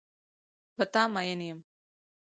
په تا مین یم.